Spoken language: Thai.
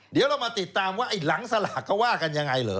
เดี๋ยวเรามาติดตามว่าไอ้หลังสลากเขาว่ากันยังไงเหรอ